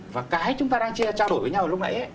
và cái chúng ta đang trao đổi với nhau lúc nãy